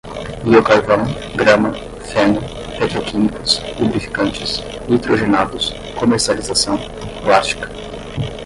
biocarvão, grama, feno, petroquímicos, lubrificantes, nitrogenados, comercialização, plástica